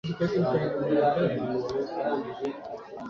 Imitwey’ingenzi yAbiru yari ukubiri: